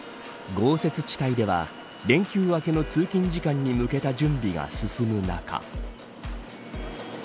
豪雪地帯では連休明けの通勤時間に向けた準備が進む中。